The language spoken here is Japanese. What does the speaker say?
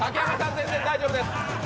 全然大丈夫です。